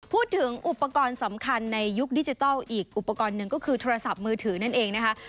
พูดถึงอุปกรณ์สำคัญในยุคดิจิทัลอีกอุปกรณ์หนึ่งก็คือโทรศัพท์มือถือนั่นเองนะคะ